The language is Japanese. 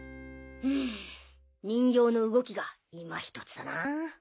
うん人形の動きがいまひとつだなぁ。